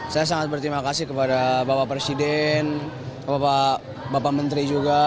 saya sangat berterima kasih kepada bapak presiden bapak menteri juga